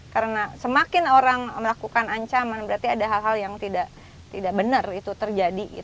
karena semakin orang melakukan ancaman berarti ada hal hal yang tidak benar itu terjadi